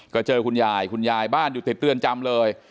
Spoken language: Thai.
ก็เจอคุณยายคุณยายบ้านอยู่ติดเรือนจำเลย